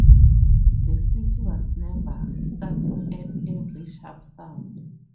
The city was nervous, starting at every sharp sound.